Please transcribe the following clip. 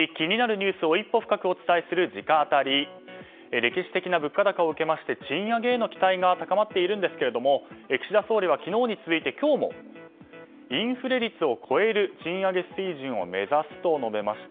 歴史的な物価高を受けまして賃上げへの期待が高まっているんですが岸田総理は昨日に続いて今日も、インフレ率を超える賃上げ水準を目指すと述べました。